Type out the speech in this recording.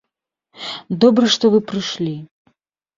Добра, што вы прышлі.